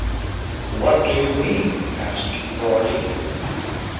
“What do you mean?” asked Rory.